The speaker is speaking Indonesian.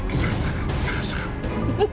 aku sedang sembunyi di mobil kamu